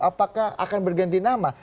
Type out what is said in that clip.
apakah akan berganti nama